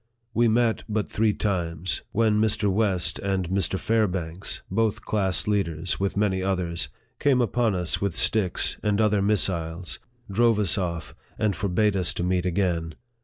We met but three times, when Mr. West and Mr. Fairbanks, both class leaders, with many others, came upon us with sticks and other missiles, drove us off, and forbade us to meet again.